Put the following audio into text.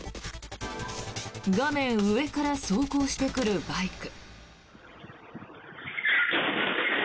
画面上から走行してくるバイク。